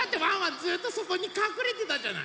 ずっとそこにかくれてたじゃない。